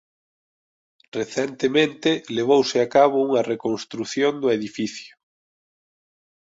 Recentemente levouse a cabo unha reconstrución do edificio.